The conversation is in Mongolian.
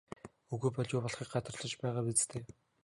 Үгүй бол юу болохыг гадарлаж байгаа биз дээ?